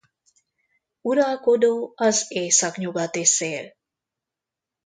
Uralkodó az északnyugati szél.